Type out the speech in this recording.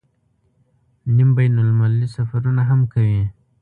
نیم بین المللي سفرونه هم کوي.